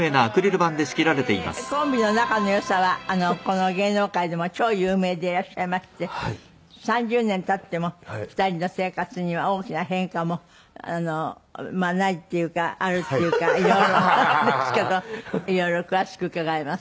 コンビの仲のよさはこの芸能界でも超有名でいらっしゃいまして３０年経っても２人の生活には大きな変化もないっていうかあるっていうか色々なんですけど色々詳しく伺います。